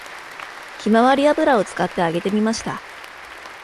ひまわり油を使って揚げてみました